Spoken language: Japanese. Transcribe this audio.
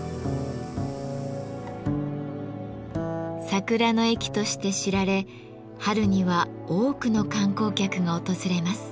桜の駅として知られ春には多くの観光客が訪れます。